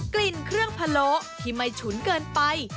กลิ่นเครื่องพะโล้ที่ไม่ฉุนเกินไป